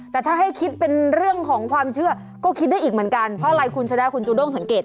แต่ถ้าให้คิดเป็นเรื่องของความเชื่อก็คิดได้อีกเหมือนกันเพราะอะไรคุณชนะคุณจูด้งสังเกต